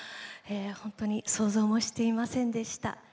本当に想像もしていませんでした。